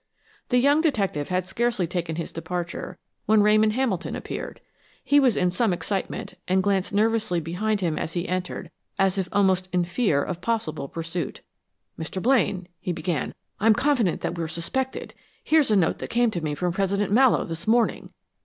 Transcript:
The young detective had scarcely taken his departure, when Ramon Hamilton appeared. He was in some excitement, and glanced nervously behind him as he entered, as if almost in fear of possible pursuit. "Mr. Blaine," he began, "I'm confident that we're suspected. Here's a note that came to me from President Mallowe this morning.